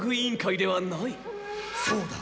そうだ。